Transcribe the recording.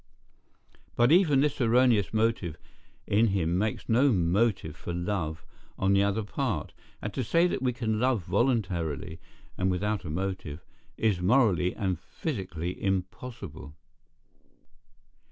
But even this erroneous motive in him makes no motive for love on the other part; and to say that we can love voluntarily, and without a motive, is morally and physically impossible.